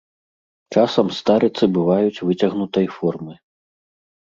Часам старыцы бываюць выцягнутай формы.